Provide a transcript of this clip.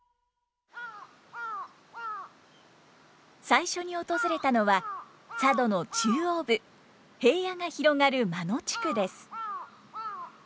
最初に訪れたのは佐渡の中央部平野が広がる真野地区です。